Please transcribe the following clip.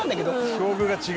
境遇が違う。